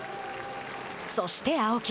そして青木。